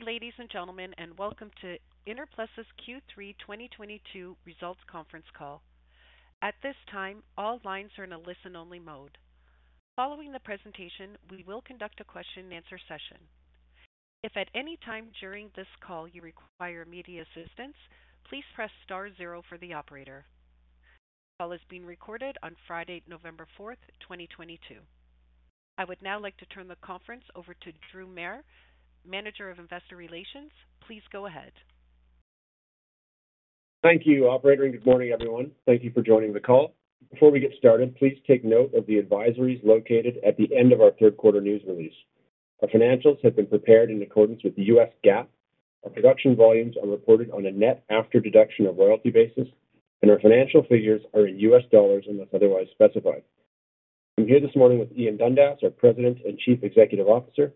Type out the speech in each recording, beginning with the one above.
Good day, ladies and gentlemen, and welcome to Enerplus' Q3 2022 results conference call. At this time, all lines are in a listen-only mode. Following the presentation, we will conduct a question-and-answer session. If at any time during this call you require immediate assistance, please press star-zero for the operator. This call is being recorded on Friday, November 4th, 2022. I would now like to turn the conference over to Drew Mair, Manager of Investor Relations. Please go ahead. Thank you, operator, and good morning, everyone. Thank you for joining the call. Before we get started, please take note of the advisories located at the end of our third quarter news release. Our financials have been prepared in accordance with U.S. GAAP. Our production volumes are reported on a net after deduction of royalty basis, and our financial figures are in U.S. dollars unless otherwise specified. I'm here this morning with Ian Dundas, our President and Chief Executive Officer,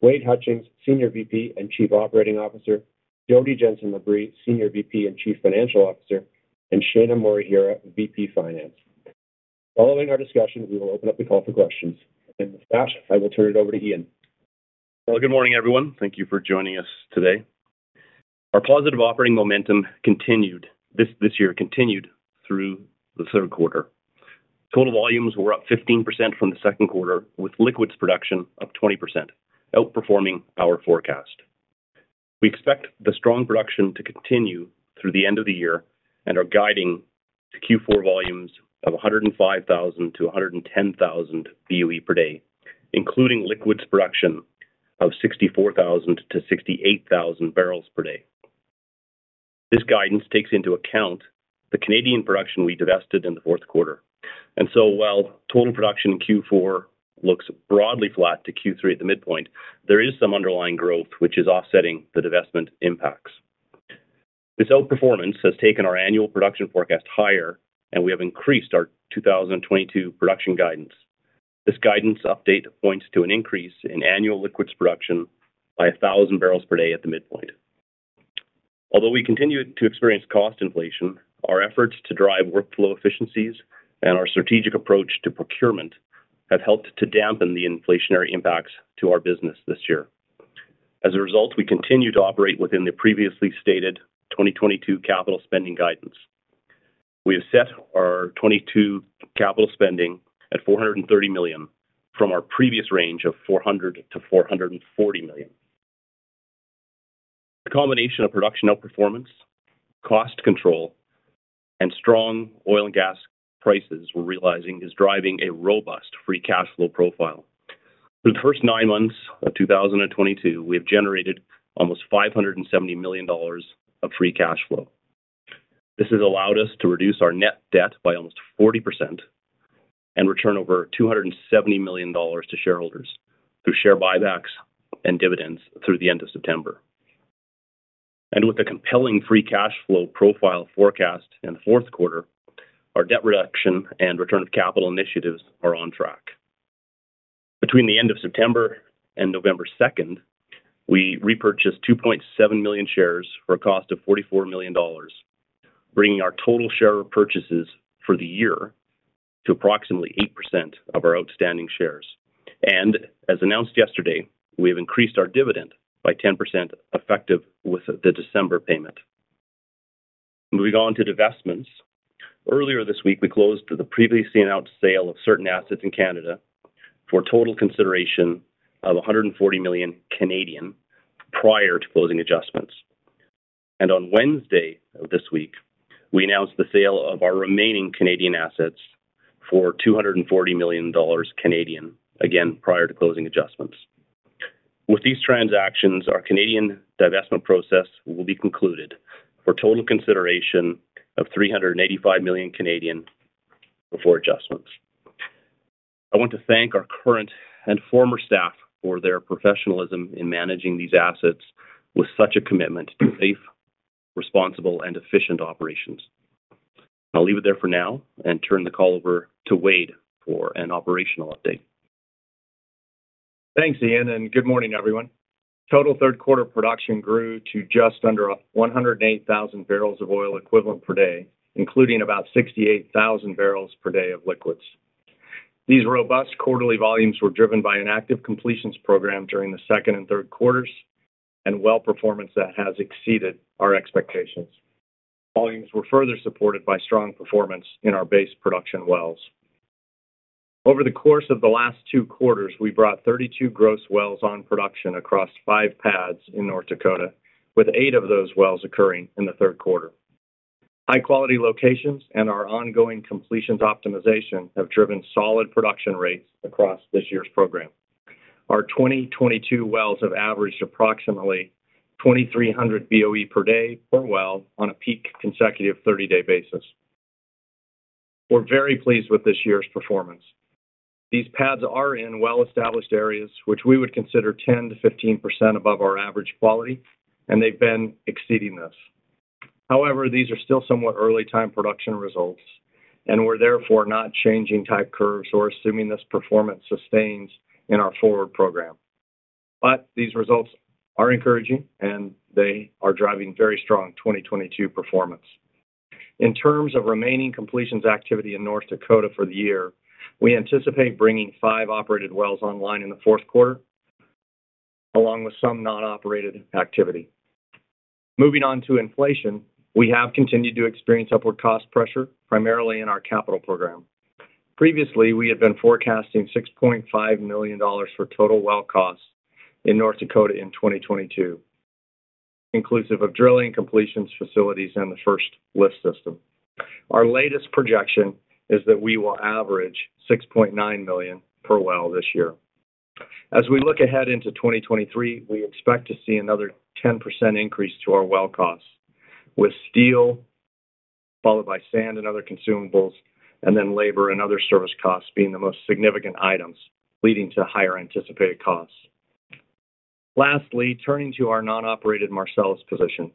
Wade Hutchings, Senior VP and Chief Operating Officer, Jodine Jenson Labrie, Senior VP and Chief Financial Officer, and Shaina Morihira, VP Finance. Following our discussion, we will open up the call for questions. With that, I will turn it over to Ian. Well, good morning, everyone. Thank you for joining us today. Our positive operating momentum continued this year through the third quarter. Total volumes were up 15% from the second quarter, with liquids production up 20%, outperforming our forecast. We expect the strong production to continue through the end of the year and are guiding to Q4 volumes of 105,000-110,000 BOE per day, including liquids production of 64,000-68,000 barrels per day. This guidance takes into account the Canadian production we divested in the fourth quarter. While total production in Q4 looks broadly flat to Q3 at the midpoint, there is some underlying growth which is offsetting the divestment impacts. This outperformance has taken our annual production forecast higher, and we have increased our 2022 production guidance. This guidance update points to an increase in annual liquids production by 1,000 barrels per day at the midpoint. Although we continue to experience cost inflation, our efforts to drive workflow efficiencies and our strategic approach to procurement have helped to dampen the inflationary impacts to our business this year. As a result, we continue to operate within the previously stated 2022 capital spending guidance. We have set our 2022 capital spending at $430 million from our previous range of $400 million-$440 million. The combination of production outperformance, cost control, and strong oil and gas prices we're realizing is driving a robust free cash flow profile. Through the first nine months of 2022, we have generated almost $570 million of free cash flow. This has allowed us to reduce our net debt by almost 40% and return over $270 million to shareholders through share buybacks and dividends through the end of September. With a compelling free cash flow profile forecast in the fourth quarter, our debt reduction and return of capital initiatives are on track. Between the end of September and November 2nd, we repurchased 2.7 million shares for a cost of $44 million, bringing our total share purchases for the year to approximately 8% of our outstanding shares. As announced yesterday, we have increased our dividend by 10% effective with the December payment. Moving on to divestments. Earlier this week, we closed the previously announced sale of certain assets in Canada for a total consideration of 140 million prior to closing adjustments. On Wednesday of this week, we announced the sale of our remaining Canadian assets for 240 million Canadian dollars, again, prior to closing adjustments. With these transactions, our Canadian divestment process will be concluded for total consideration of 385 million before adjustments. I want to thank our current and former staff for their professionalism in managing these assets with such a commitment to safe, responsible, and efficient operations. I'll leave it there for now and turn the call over to Wade for an operational update. Thanks, Ian, and good morning, everyone. Total third quarter production grew to just under 108,000 barrels of oil equivalent per day, including about 68,000 barrels per day of liquids. These robust quarterly volumes were driven by an active completions program during the second and third quarters and well performance that has exceeded our expectations. Volumes were further supported by strong performance in our base production wells. Over the course of the last two quarters, we brought 32 gross wells on production across five pads in North Dakota, with eight of those wells occurring in the third quarter. High-quality locations and our ongoing completions optimization have driven solid production rates across this year's program. Our 2022 wells have averaged approximately 2,300 BOE per day or well on a peak consecutive 30-day basis. We're very pleased with this year's performance. These pads are in well-established areas, which we would consider 10%-15% above our average quality, and they've been exceeding this. However, these are still somewhat early-time production results, and we're therefore not changing type curves or assuming this performance sustains in our forward program. These results are encouraging, and they are driving very strong 2022 performance. In terms of remaining completions activity in North Dakota for the year, we anticipate bringing five operated wells online in the fourth quarter, along with some non-operated activity. Moving on to inflation, we have continued to experience upward cost pressure, primarily in our capital program. Previously, we had been forecasting $6.5 million for total well costs in North Dakota in 2022, inclusive of drilling, completions, facilities, and the first lift system. Our latest projection is that we will average 6.9 million per well this year. As we look ahead into 2023, we expect to see another 10% increase to our well costs, with steel followed by sand and other consumables, and then labor and other service costs being the most significant items, leading to higher anticipated costs. Lastly, turning to our non-operated Marcellus position,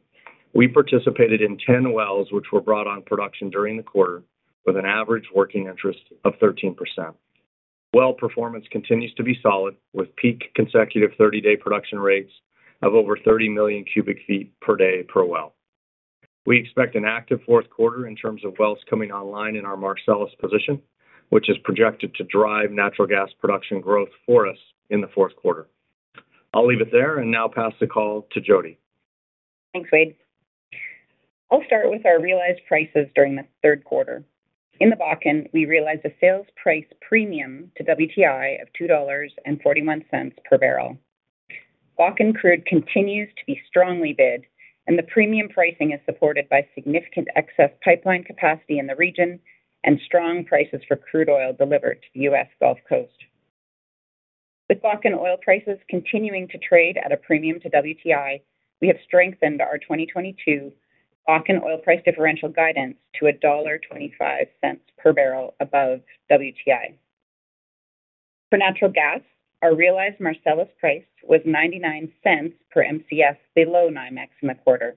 we participated in 10 wells which were brought on production during the quarter with an average working interest of 13%. Well performance continues to be solid, with peak consecutive 30-day production rates of over 30 million cubic feet per day per well. We expect an active fourth quarter in terms of wells coming online in our Marcellus position, which is projected to drive natural gas production growth for us in the fourth quarter. I'll leave it there and now pass the call to Jodi. Thanks, Wade. I'll start with our realized prices during the third quarter. In the Bakken, we realized a sales price premium to WTI of $2.41 per barrel. Bakken crude continues to be strongly bid, and the premium pricing is supported by significant excess pipeline capacity in the region and strong prices for crude oil delivered to the U.S. Gulf Coast. With Bakken oil prices continuing to trade at a premium to WTI, we have strengthened our 2022 Bakken oil price differential guidance to $1.25 per barrel above WTI. For natural gas, our realized Marcellus price was $0.99 per Mcf below NYMEX in the quarter,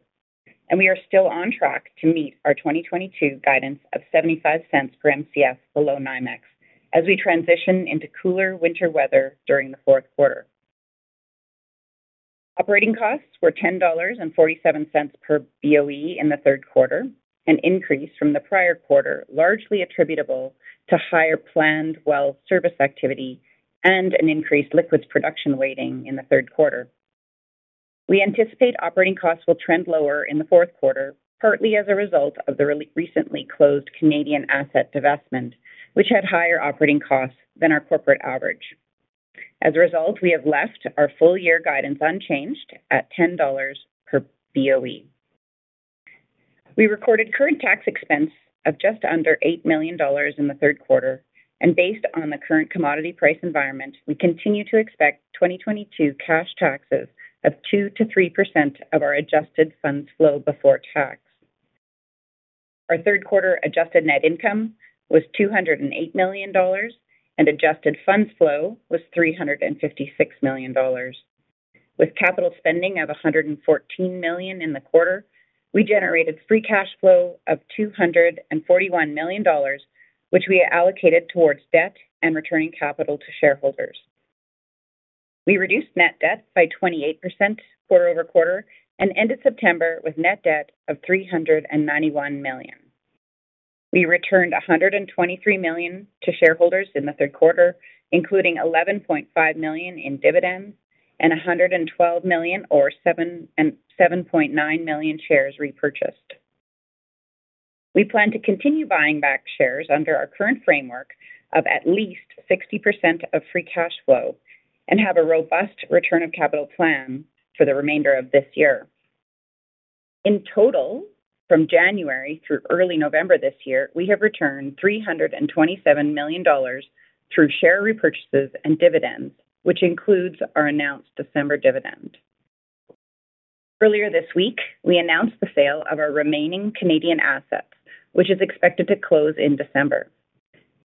and we are still on track to meet our 2022 guidance of $0.75 per Mcf below NYMEX as we transition into cooler winter weather during the fourth quarter. Operating costs were $10.47 per BOE in the third quarter, an increase from the prior quarter, largely attributable to higher planned well service activity and an increased liquids production weighting in the third quarter. We anticipate operating costs will trend lower in the fourth quarter, partly as a result of the recently closed Canadian asset divestment, which had higher operating costs than our corporate average. As a result, we have left our full year guidance unchanged at $10 per BOE. We recorded current tax expense of just under $8 million in the third quarter, and based on the current commodity price environment, we continue to expect 2022 cash taxes of 2%-3% of our adjusted funds flow before tax. Our third quarter adjusted net income was $208 million, and adjusted funds flow was $356 million. With capital spending of $114 million in the quarter, we generated free cash flow of $241 million, which we allocated towards debt and returning capital to shareholders. We reduced net debt by 28% quarter-over-quarter and ended September with net debt of $391 million. We returned $123 million to shareholders in the third quarter, including $11.5 million in dividends and $112 million or 7.9 million shares repurchased. We plan to continue buying back shares under our current framework of at least 60% of free cash flow and have a robust return of capital plan for the remainder of this year. In total, from January through early November this year, we have returned $327 million through share repurchases and dividends, which includes our announced December dividend. Earlier this week, we announced the sale of our remaining Canadian assets, which is expected to close in December.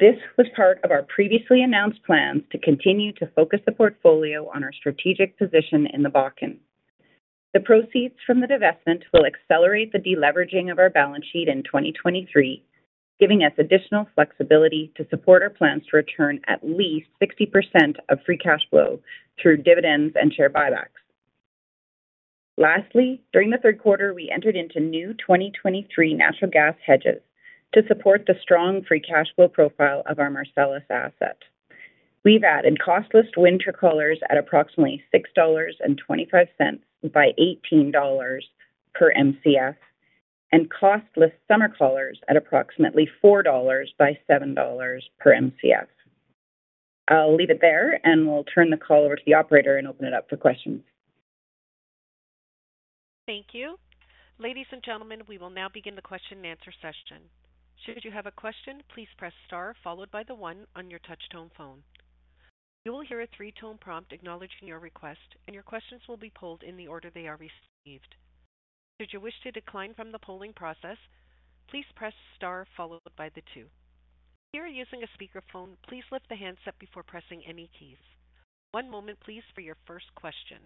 This was part of our previously announced plans to continue to focus the portfolio on our strategic position in the Bakken. The proceeds from the divestment will accelerate the deleveraging of our balance sheet in 2023, giving us additional flexibility to support our plans to return at least 60% of free cash flow through dividends and share buybacks. Lastly, during the third quarter, we entered into new 2023 natural gas hedges to support the strong free cash flow profile of our Marcellus asset. We've added costless winter collars at approximately $6.25 by $18 per Mcf and costless summer collars at approximately $4 by $7 per Mcf. I'll leave it there, and we'll turn the call over to the operator and open it up for questions. Thank you. Ladies and gentlemen, we will now begin the question-and-answer session. Should you have a question, please press star followed by the one on your touch-tone phone. You will hear a three-tone prompt acknowledging your request, and your questions will be polled in the order they are received. If you wish to decline from the polling process, please press star followed by the two. If you are using a speakerphone, please lift the handset before pressing any keys. One moment, please, for your first question.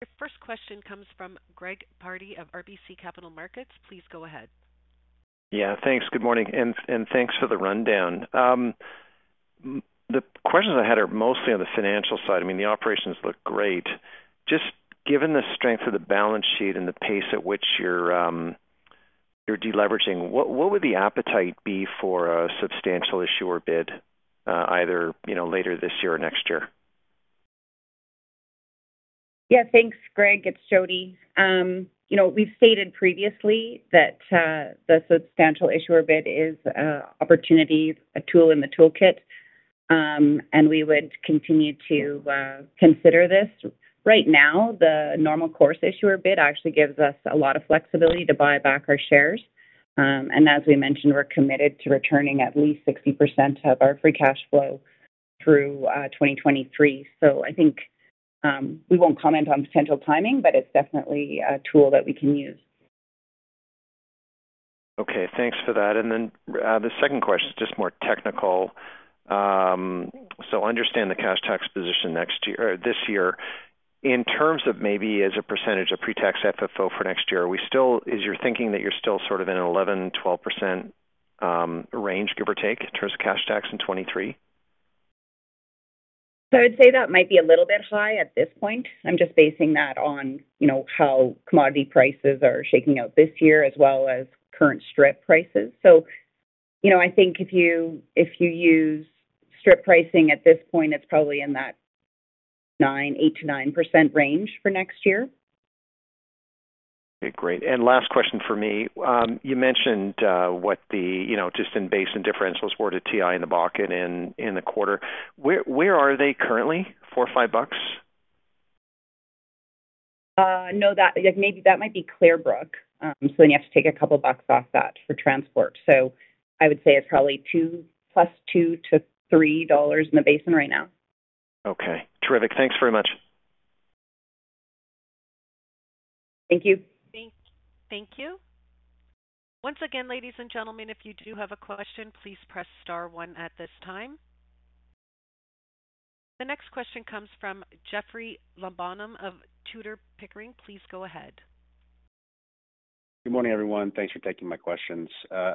Your first question comes from Greg Pardy of RBC Capital Markets. Please go ahead. Yeah, thanks. Good morning and thanks for the rundown. The questions I had are mostly on the financial side. I mean, the operations look great. Just given the strength of the balance sheet and the pace at which you're de-leveraging, what would the appetite be for a substantial issuer bid, either you know, later this year or next year? Yeah, thanks, Greg. It's Jodi. You know, we've stated previously that the substantial issuer bid is opportunity, a tool in the toolkit. We would continue to consider this. Right now, the normal course issuer bid actually gives us a lot of flexibility to buy back our shares. As we mentioned, we're committed to returning at least 60% of our free cash flow through 2023. I think we won't comment on potential timing, but it's definitely a tool that we can use. Okay. Thanks for that. The second question is just more technical. Understand the cash tax position next year or this year. In terms of maybe as a percentage of pre-tax FFO for next year, is your thinking that you're still sort of in 11%-12% range, give or take, in terms of cash tax in 2023? I would say that might be a little bit high at this point. I'm just basing that on, you know, how commodity prices are shaking out this year as well as current strip prices. You know, I think if you use strip pricing at this point, it's probably in that 9.8%-9% range for next year. Okay, great. Last question for me. You mentioned, you know, just in basin differentials were to WTI in the Bakken in the quarter. Where are they currently, $4 or $5? No, that might be Clearbrook. You have to take a couple bucks off that for transport. I would say it's probably +$2-$3 in the basin right now. Okay, terrific. Thanks very much. Thank you. Thank you. Once again, ladies and gentlemen, if you do have a question, please press star-one at this time. The next question comes from Jeoffrey Lambujon of Tudor, Pickering, Holt & Co. Please go ahead. Good morning, everyone. Thanks for taking my questions.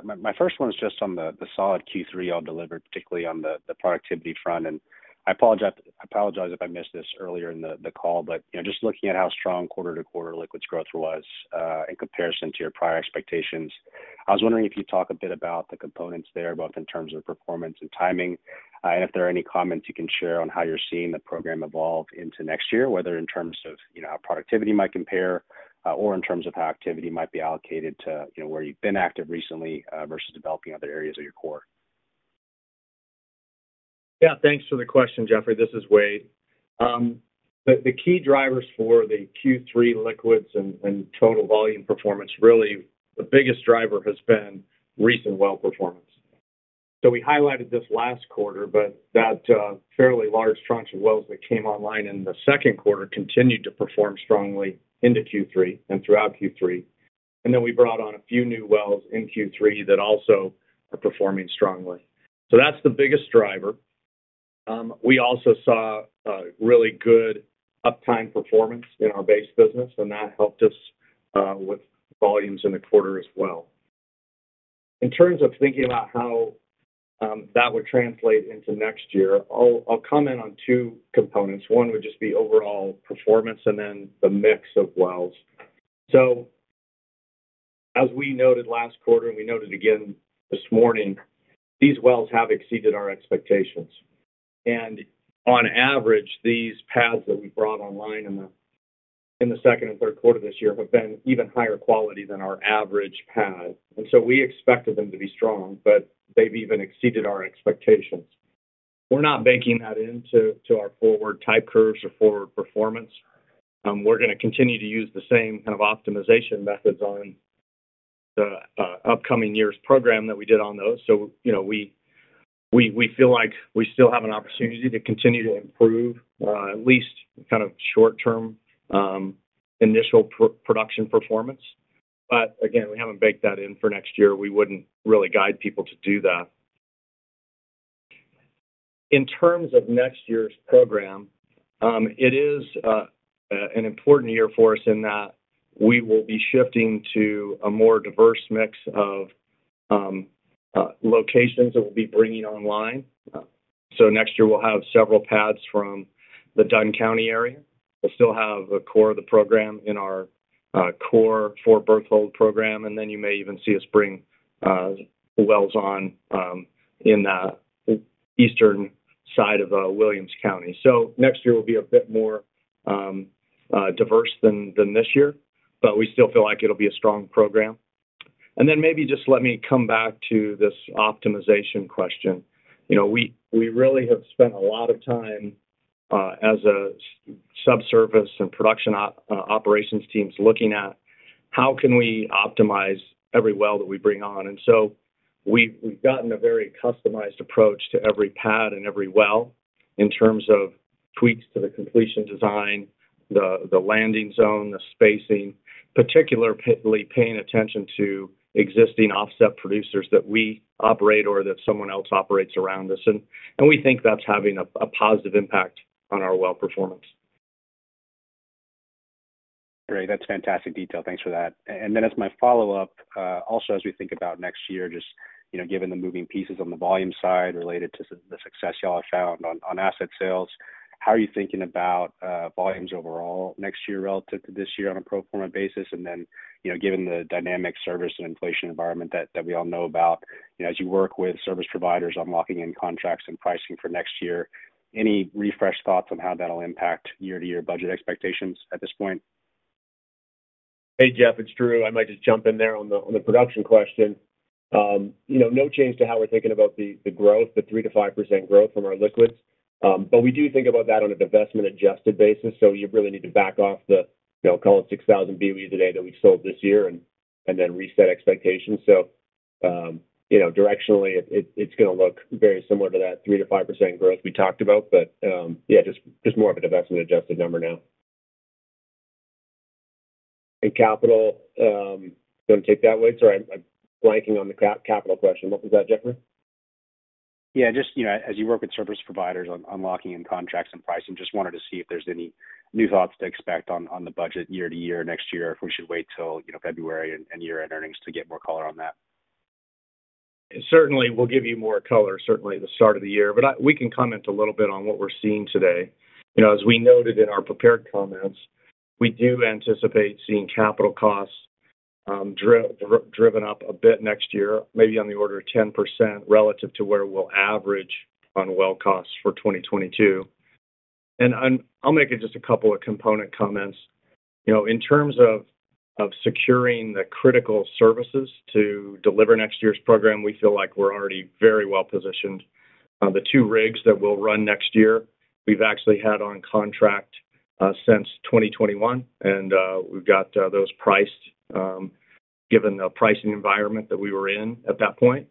My first one is just on the solid Q3 y'all delivered, particularly on the productivity front. I apologize if I missed this earlier in the call, but you know, just looking at how strong quarter-to-quarter liquids growth was in comparison to your prior expectations. I was wondering if you'd talk a bit about the components there, both in terms of performance and timing. If there are any comments you can share on how you're seeing the program evolve into next year, whether in terms of you know, how productivity might compare or in terms of how activity might be allocated to you know, where you've been active recently versus developing other areas of your core. Yeah, thanks for the question, Jeoffrey. This is Wade. The key drivers for the Q3 liquids and total volume performance, really the biggest driver has been recent well performance. We highlighted this last quarter, but that fairly large tranche of wells that came online in the second quarter continued to perform strongly into Q3 and throughout Q3. Then we brought on a few new wells in Q3 that also are performing strongly. That's the biggest driver. We also saw really good uptime performance in our base business, and that helped us with volumes in the quarter as well. In terms of thinking about how that would translate into next year, I'll comment on two components. One would just be overall performance and then the mix of wells. As we noted last quarter, and we noted again this morning, these wells have exceeded our expectations. On average, these pads that we brought online in the second and third quarter this year have been even higher quality than our average pad. We expected them to be strong, but they've even exceeded our expectations. We're not baking that into our forward type curves or forward performance. We're going to continue to use the same kind of optimization methods on the upcoming year's program that we did on those. You know, we feel like we still have an opportunity to continue to improve at least kind of short-term initial production performance. Again, we haven't baked that in for next year. We wouldn't really guide people to do that. In terms of next year's program, it is an important year for us in that we will be shifting to a more diverse mix of locations that we'll be bringing online. Next year we'll have several pads from the Dunn County area. We'll still have a core of the program in our core Fort Berthold program, and then you may even see us bring wells on in the eastern side of Williams County. Next year will be a bit more diverse than this year, but we still feel like it'll be a strong program. Then maybe just let me come back to this optimization question. You know, we really have spent a lot of time as a subsurface and production operations teams looking at how can we optimize every well that we bring on. We've gotten a very customized approach to every pad and every well in terms of tweaks to the completion design, the landing zone, the spacing, particularly paying attention to existing offset producers that we operate or that someone else operates around us. We think that's having a positive impact on our well performance. Great. That's fantastic detail. Thanks for that. As my follow-up, also as we think about next year, just, you know, given the moving pieces on the volume side related to the success y'all have found on asset sales, how are you thinking about volumes overall next year relative to this year on a pro forma basis? You know, given the dynamic service and inflation environment that we all know about, you know, as you work with service providers on locking in contracts and pricing for next year, any refresh thoughts on how that'll impact year-to-year budget expectations at this point? Hey, Jeffrey, it's Drew. I might just jump in there on the production question. You know, no change to how we're thinking about the growth, the 3%-5% growth from our liquids. We do think about that on a divestment adjusted basis, so you really need to back off the, you know, call it 6,000 BOE today that we've sold this year and then reset expectations. You know, directionally it's going to look very similar to that 3%-5% growth we talked about. Yeah, just more of a divestment adjusted number now. Capital, do you want to take that, Wade? Sorry, I'm blanking on the capital question. What was that, Jeffrey? Yeah, just, you know, as you work with service providers on locking in contracts and pricing, just wanted to see if there's any new thoughts to expect on the budget year to year next year, if we should wait till, you know, February and year-end earnings to get more color on that. Certainly, we'll give you more color, certainly at the start of the year, but we can comment a little bit on what we're seeing today. You know, as we noted in our prepared comments, we do anticipate seeing capital costs driven up a bit next year, maybe on the order of 10% relative to where we'll average on well costs for 2022. I'll make it just a couple of component comments. You know, in terms of securing the critical services to deliver next year's program, we feel like we're already very well-positioned. The two rigs that we'll run next year, we've actually had on contract since 2021, and we've got those priced, given the pricing environment that we were in at that point.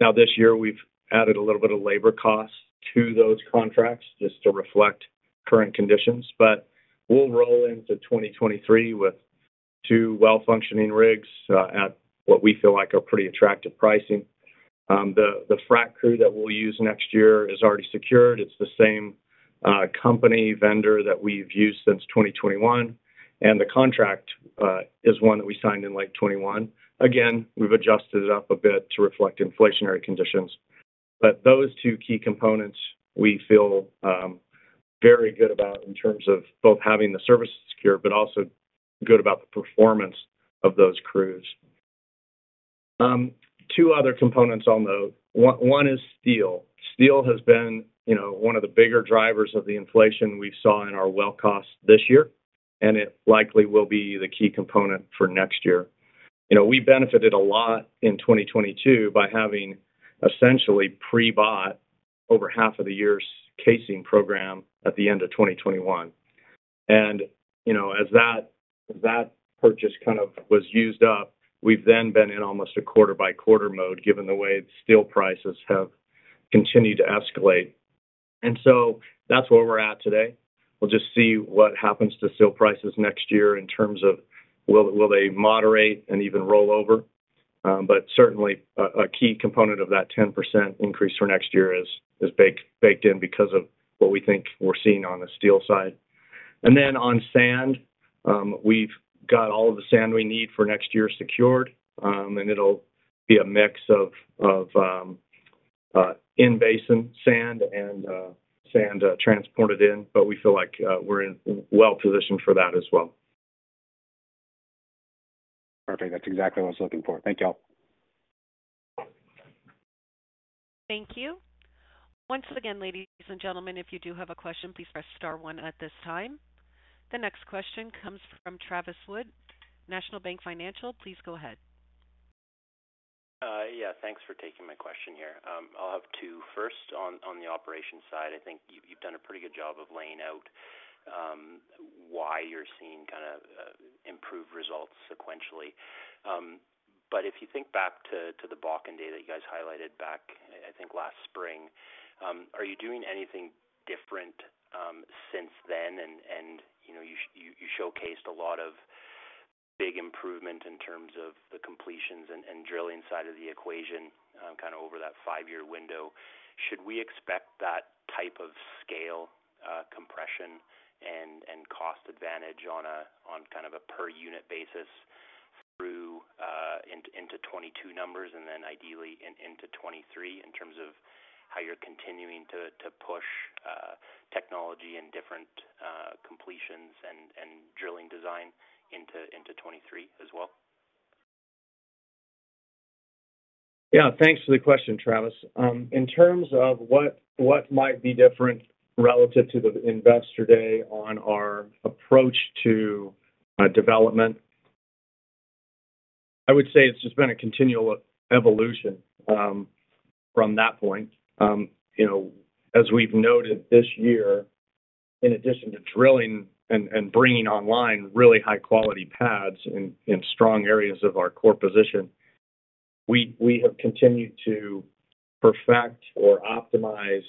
Now, this year, we've added a little bit of labor cost to those contracts just to reflect current conditions. We'll roll into 2023 with two well-functioning rigs at what we feel like are pretty attractive pricing. The frack crew that we'll use next year is already secured. It's the same company vendor that we've used since 2021, and the contract is one that we signed in late 2021. Again, we've adjusted it up a bit to reflect inflationary conditions. Those two key components we feel very good about in terms of both having the services secure, but also good about the performance of those crews. Two other components I'll note. One is steel. Steel has been, you know, one of the bigger drivers of the inflation we saw in our well costs this year, and it likely will be the key component for next year. You know, we benefited a lot in 2022 by having essentially pre-bought over half of the year's casing program at the end of 2021. You know, as that purchase kind of was used up, we've then been in almost a quarter-by-quarter mode, given the way steel prices have continued to escalate. That's where we're at today. We'll just see what happens to steel prices next year in terms of will they moderate and even roll over. But certainly a key component of that 10% increase for next year is baked in because of what we think we're seeing on the steel side. On sand, we've got all the sand we need for next year secured, and it'll be a mix of in-basin sand and sand transported in, but we feel like we're well-positioned for that as well. Perfect. That's exactly what I was looking for. Thank y'all. Thank you. Once again, ladies and gentlemen, if you do have a question, please press star-one at this time. The next question comes from Travis Wood, National Bank Financial. Please go ahead. Yeah, thanks for taking my question here. I'll have two. First, on the operations side, I think you've done a pretty good job of laying out why you're seeing kinda improved results sequentially. But if you think back to the Bakken day that you guys highlighted back, I think, last spring, are you doing anything different since then? You know, you showcased a lot of big improvement in terms of the completions and drilling side of the equation, kind of over that five-year window. Should we expect that type of scale, compression and cost advantage on kind of a per unit basis through into 2022 numbers and then ideally into 2023 in terms of how you're continuing to push technology and different completions and drilling design into 2023 as well? Yeah. Thanks for the question, Travis. In terms of what might be different relative to the Investor Day on our approach to development, I would say it's just been a continual evolution from that point. You know, as we've noted this year, in addition to drilling and bringing online really high-quality pads in strong areas of our core position, we have continued to perfect or optimize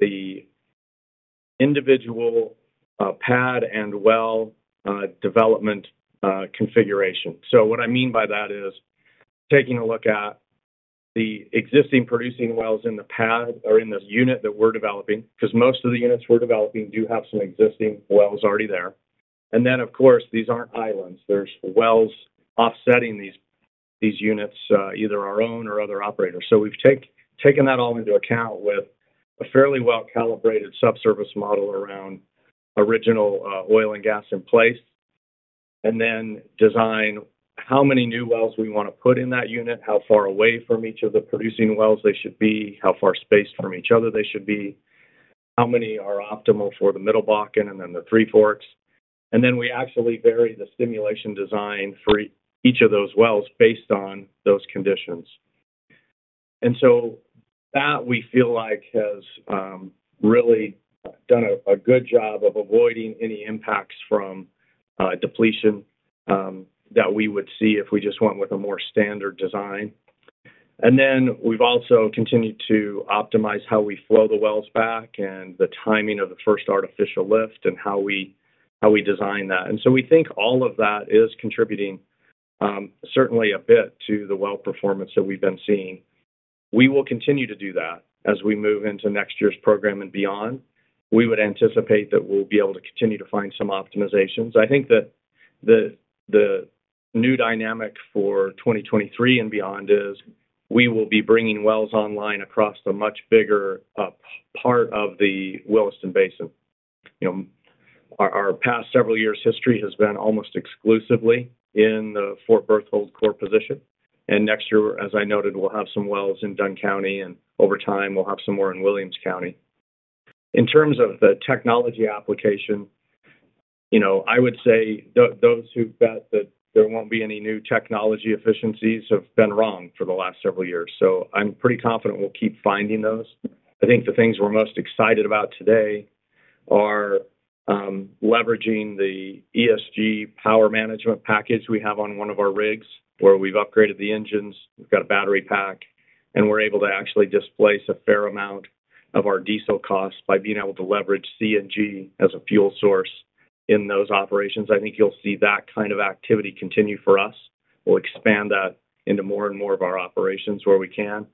the individual pad and well development configuration. So what I mean by that is taking a look at the existing producing wells in the pad or in the unit that we're developing, because most of the units we're developing do have some existing wells already there. Of course, these aren't islands. There's wells offsetting these units, either our own or other operators. We've taken that all into account with a fairly well-calibrated subsurface model around original oil and gas in place, and then design how many new wells we wanna put in that unit, how far away from each of the producing wells they should be, how far spaced from each other they should be, how many are optimal for the Middle Bakken and then the Three Forks. We actually vary the stimulation design for each of those wells based on those conditions. That we feel like has really done a good job of avoiding any impacts from depletion that we would see if we just went with a more standard design. We've also continued to optimize how we flow the wells back and the timing of the first artificial lift and how we design that. We think all of that is contributing certainly a bit to the well performance that we've been seeing. We will continue to do that as we move into next year's program and beyond. We would anticipate that we'll be able to continue to find some optimizations. I think that the new dynamic for 2023 and beyond is we will be bringing wells online across a much bigger part of the Williston Basin. You know, our past several years history has been almost exclusively in the Fort Berthold core position. Next year, as I noted, we'll have some wells in Dunn County, and over time, we'll have some more in Williams County. In terms of the technology application, you know, I would say those who bet that there won't be any new technology efficiencies have been wrong for the last several years, so I'm pretty confident we'll keep finding those. I think the things we're most excited about today are leveraging the ESG power management package we have on one of our rigs, where we've upgraded the engines, we've got a battery pack, and we're able to actually displace a fair amount of our diesel costs by being able to leverage CNG as a fuel source in those operations. I think you'll see that kind of activity continue for us. We'll expand that into more and more of our operations where we can.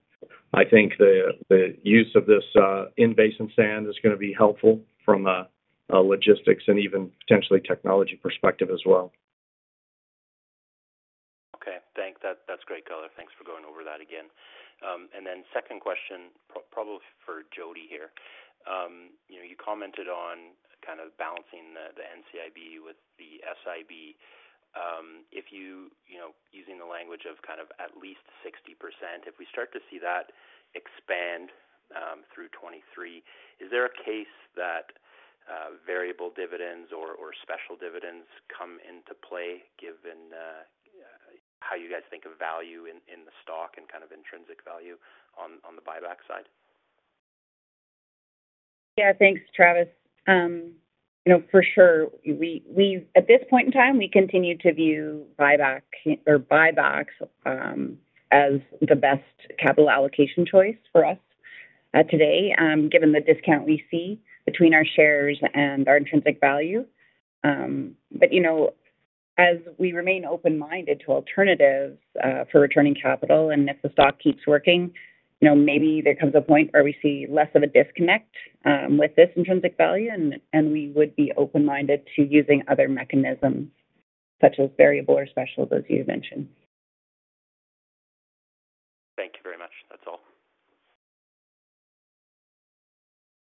I think the use of this in-basin sand is going to be helpful from a logistics and even potentially technology perspective as well. Okay, thanks. That's great color. Thanks for going over that again. Second question, probably for Jody here. You know, you commented on kind of balancing the NCIB with the SIB. If you know, using the language of kind of at least 60%, if we start to see that expand through 2023, is there a case that variable dividends or special dividends come into play given how you guys think of value in the stock and kind of intrinsic value on the buyback side? Yeah. Thanks, Travis. You know, for sure, we at this point in time continue to view buyback or buybacks as the best capital allocation choice for us today, given the discount we see between our shares and our intrinsic value. You know, as we remain open-minded to alternatives for returning capital, and if the stock keeps working, you know, maybe there comes a point where we see less of a disconnect with this intrinsic value and we would be open-minded to using other mechanisms such as variable or special, as you mentioned. Thank you very much. That's all.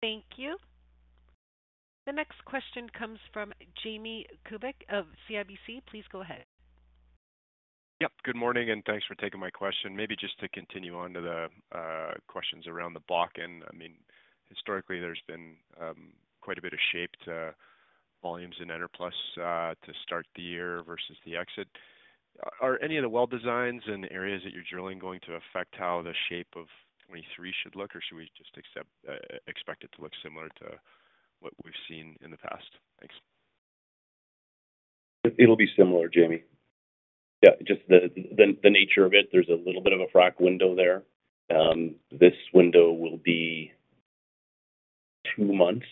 Thank you. The next question comes from Jamie Kubik of CIBC. Please go ahead. Yep. Good morning, and thanks for taking my question. Maybe just to continue on to the questions around the Bakken. I mean, historically, there's been quite a bit of shape to volumes in Enerplus to start the year versus the exit. Are any of the well designs in the areas that you're drilling going to affect how the shape of 2023 should look, or should we just expect it to look similar to what we've seen in the past? Thanks. It'll be similar, Jamie. Yeah, just the nature of it, there's a little bit of a frack window there. This window will be two months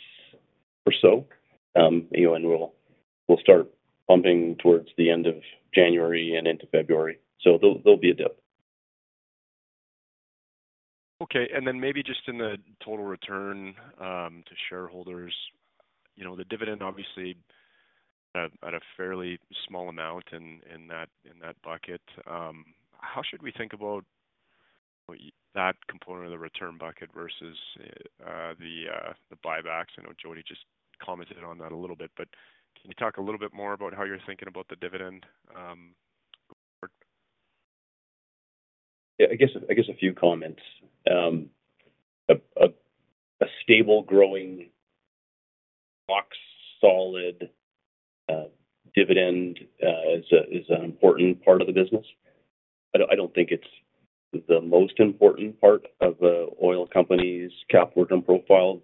or so. You know, we'll start pumping towards the end of January and into February. There'll be a dip. Okay. Maybe just in the total return to shareholders, you know, the dividend obviously at a fairly small amount in that bucket. How should we think about that component of the return bucket versus the buybacks? I know Jodi just commented on that a little bit, but can you talk a little bit more about how you're thinking about the dividend going forward? Yeah. I guess a few comments. A stable growing, rock solid, dividend is an important part of the business. I don't think it's the most important part of the oil company's cap return profile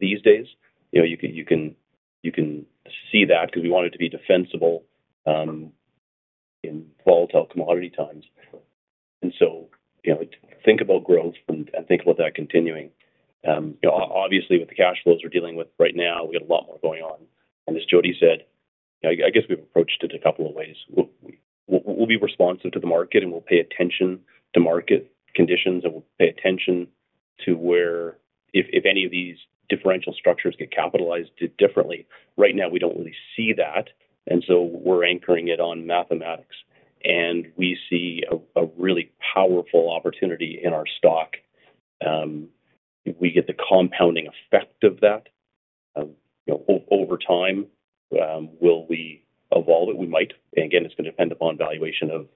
these days. You know, you can see that because we want it to be defensible in volatile commodity times. You know, obviously with the cash flows we're dealing with right now, we got a lot more going on. As Jodi said, I guess we've approached it a couple of ways. We'll be responsive to the market, and we'll pay attention to market conditions, and we'll pay attention to where if any of these differential structures get capitalized differently. Right now, we don't really see that, and we're anchoring it on mathematics, and we see a really powerful opportunity in our stock. If we get the compounding effect of that, you know, over time, will we evolve it? We might. Again, it's going to depend upon valuation of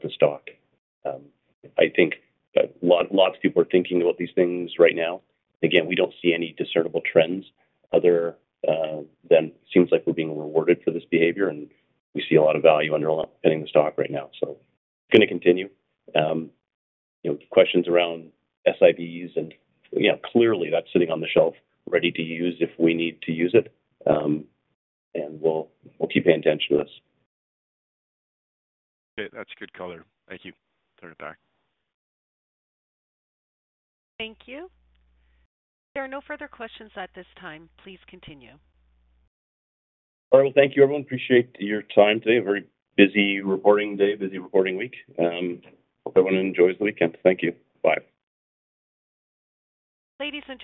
the stock. I think lots of people are thinking about these things right now. Again, we don't see any discernible trends other than seems like we're being rewarded for this behavior, and we see a lot of value underpinning the stock right now. Going to continue. You know, questions around SIBs and, you know, clearly that's sitting on the shelf ready to use if we need to use it. We'll keep paying attention to this. Okay. That's good color. Thank you. Turn it back. Thank you. There are no further questions at this time. Please continue. All right. Well, thank you, everyone. Appreciate your time today. A very busy reporting day, busy reporting week. Hope everyone enjoys the weekend. Thank you. Bye. Ladies and gentlemen.